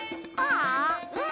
うん。